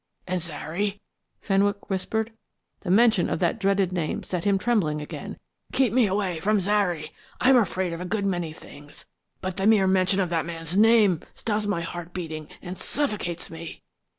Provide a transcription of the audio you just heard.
"And Zary," Fenwick whispered. The mention of that dreaded name set him trembling again. "Keep me away from Zary. I am afraid of a good many things, but the mere mention of that man's name stops my heart beating and suffocates me."